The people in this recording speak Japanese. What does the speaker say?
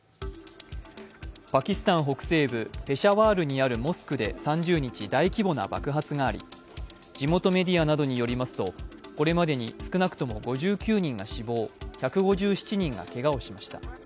パキスタン北西部ペシャワールにあるモスクで３０日、大規模な爆発があり地元メディアなどによりますとこれまでに少なくとも５９人が死亡、１５７人がけがをしました。